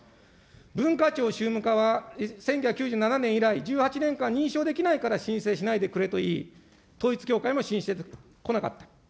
文化庁宗務課は１９９７年以来、１８年間認証できないから申請しないでくれと言い、統一教会も申請してこなかった。